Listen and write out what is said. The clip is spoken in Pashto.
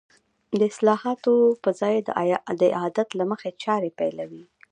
د اصلاحاتو په ځای د عادت له مخې چارې پيلوي.